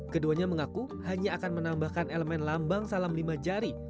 keduanya mengaku hanya akan menambahkan elemen lambang salam lima jari